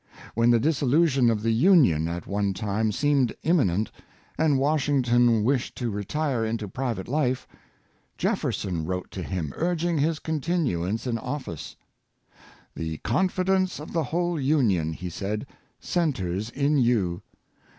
When the dissolution of the Union at one time seemed imminent, and Washington wished to retire into private life, Jefferson wrote to him, urging his continuance in office. *^ The confidence of the whole Union," he said, '' centres in you.